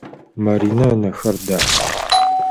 Маринэ ынэхэр дахэ.